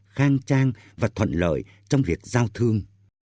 khang trang và thuận lợi trong việc giao thương